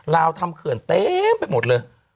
ลาวทำเขื่อนเต็มไปหมดเลย